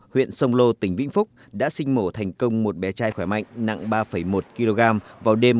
huyện sông lô tỉnh vĩnh phúc đã sinh mổ thành công một bé trai khỏe mạnh nặng ba một kg vào đêm